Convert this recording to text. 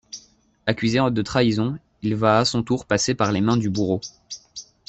Accusé de trahison, il va à son tour passer par les mains du bourreau.